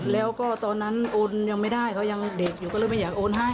แล้วก็ตอนนั้นโอนยังไม่ได้เขายังเด็กอยู่ก็เลยไม่อยากโอนให้